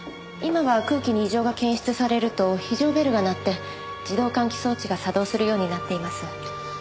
今は空気に異常が検出されると非常ベルが鳴って自動換気装置が作動するようになっています。